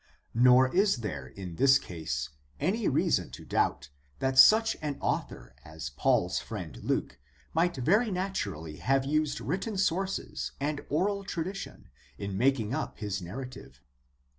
Nor is there in this case any reason to doubt that such an author as Paul's friend Luke might very naturally have used written sources and oral tradition in making up his narrative.